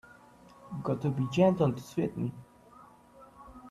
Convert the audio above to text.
Gotta be gentle to suit me.